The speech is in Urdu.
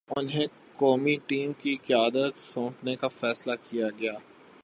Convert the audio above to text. انہیں قومی ٹیم کی قیادت سونپنے کا فیصلہ کیا گیا۔